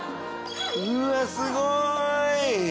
うわすごい。